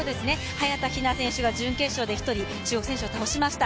早田ひな選手が準決勝で１人中国選手を倒しました。